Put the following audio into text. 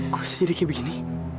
kok bisa jadi kayak begini